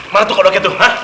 mana tuh kodoknya tuh